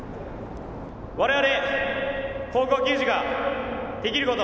我々高校球児ができること。